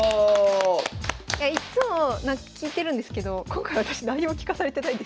いやいっつも聞いてるんですけど今回私何にも聞かされてないんですよ。